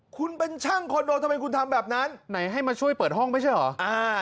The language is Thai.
คุณเป็นช่างคอนโดทำไมคุณทำแบบนั้นไหนให้มาช่วยเปิดห้องไม่ใช่เหรอ